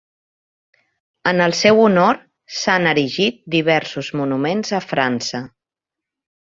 En el seu honor s'han erigit diversos monuments a França.